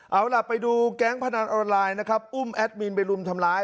เอาล่ะไปดูแก๊งพนันออนไลน์นะครับอุ้มแอดมินไปรุมทำร้าย